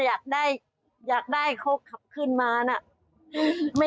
ไม่อยากให้ฟื้นอยากได้โค้กขับขึ้นมา